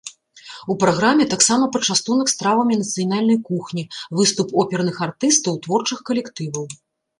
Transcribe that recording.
У праграме таксама пачастунак стравамі нацыянальнай кухні, выступ оперных артыстаў, творчых калектываў.